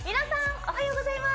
おはようございます